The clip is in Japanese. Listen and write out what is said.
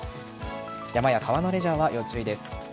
山や川のレジャーは要注意です。